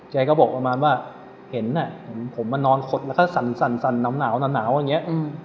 แกก็บอกประมาณว่าเห็นผมมานอนขดแล้วก็สั่นหนาวอย่างนี้